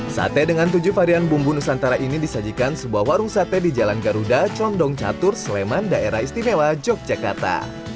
sate dengan tujuh varian bumbu nusantara ini disajikan sebuah warung sate di jalan garuda condong catur sleman daerah istimewa yogyakarta